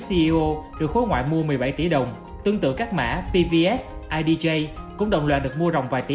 ceo được khối ngoại mua một mươi bảy tỷ đồng tương tự các mã pvs idj cũng đồng loạt được mua rồng vài tỷ